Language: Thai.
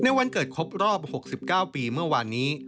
วันเกิดครบรอบ๖๙ปีเมื่อวานนี้